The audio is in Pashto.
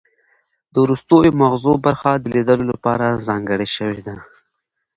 د وروستیو مغزو برخه د لیدلو لپاره ځانګړې شوې ده